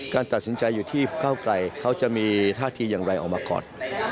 การตัดสินใจอยู่ที่เก้าไกลเขาจะมีท่าทีอย่างไรออกมาก่อน